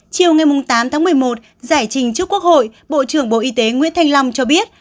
chiều ngày tám tháng một mươi một giải trình trước quốc hội bộ trưởng bộ y tế nguyễn thanh long cho biết